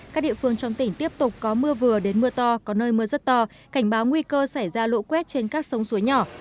các địa phương trong tỉnh tiếp tục có mưa vừa đến mưa to có nơi mưa rất to cảnh báo nguy cơ xảy ra lũ quét trên các sông suối nhỏ